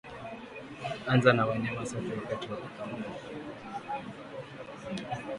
Anza na wanyama safi wakati wa kukamua